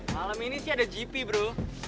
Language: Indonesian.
malam ini sih ada gp bro